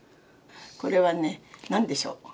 「これはねなんでしょう？